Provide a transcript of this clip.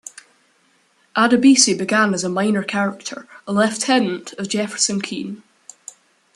Adebisi began as a minor character; a lieutenant of Jefferson Keane.